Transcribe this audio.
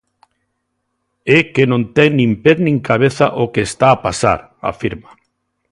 É que non ten nin pés nin cabeza o que está a pasar, afirma.